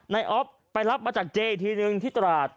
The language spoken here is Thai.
นายออฟไปรับมาจากเจ้อีกทีนึงที่ตราต